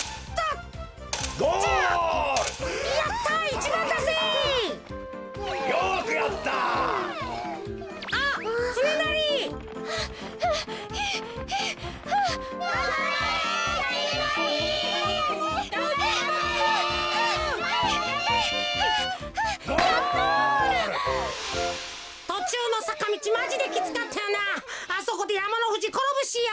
あそこでやまのふじころぶしよ。